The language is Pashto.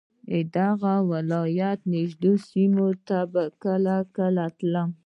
د دغه ولایت نږدې سیمو ته به کله کله تلم.